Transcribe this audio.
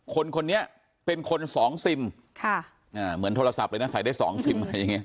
คนเนี่ยเป็นคนสองซิมค่ะเหมือนโทรศัพท์เลยนะใส่ได้สองซิม